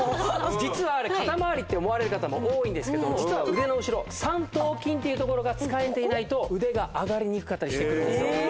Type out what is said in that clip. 実はあれ肩回りって思われる方も多いんですけど実は腕の後ろ三頭筋っていうところが使えていないと腕が上がりにくかったりしてくる。